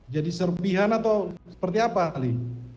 jadi serpihan atau seperti apa ali